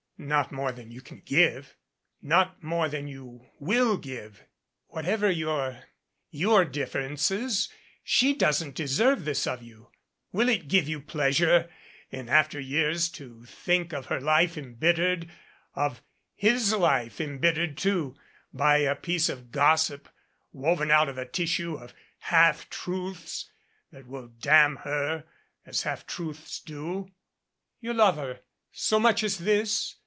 "Not more than you can give not more than you will give. Whatever your your differences she doesn't deserve this of you. Will it give you pleasure in after years to think of her life embittered of his life embit 285 MADCAP ^^ tered, too, by a piece of gossip, woven out of a tissue of half truths that will damn her as half truths do?" "You love her so much as this?"